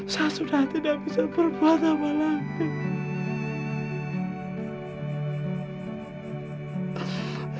saya sudah tidak bisa berbuat apa lagi